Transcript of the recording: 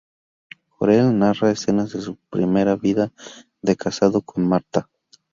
Kohler narra escenas de su primera vida de casado con Martha.